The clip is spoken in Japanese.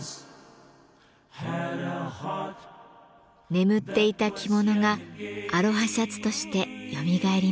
眠っていた着物がアロハシャツとしてよみがえりました。